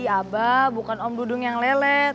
abah bukan om dudung yang lelet